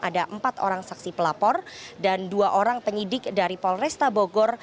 ada empat orang saksi pelapor dan dua orang penyidik dari polresta bogor